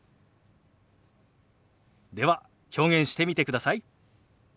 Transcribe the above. では表現してみてください。